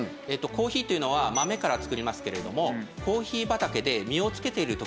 コーヒーというのは豆から作りますけれども。